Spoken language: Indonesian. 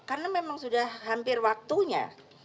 karena memang sudah hampir waktunya